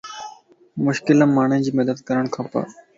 مشڪل ام ماڻھي جي مدد ڪرڻ کپا